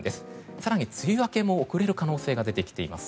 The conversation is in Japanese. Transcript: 更に梅雨明けも遅れる可能性が出てきています。